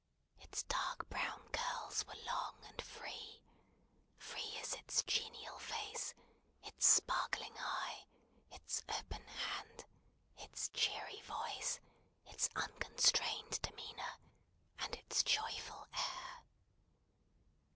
Its dark brown curls were long and free; free as its genial face, its sparkling eye, its open hand, its cheery voice, its unconstrained demeanour, and its joyful air.